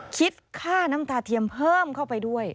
คิดค่าน้ำตาเทียมเพิ่มเข้าไปด้วย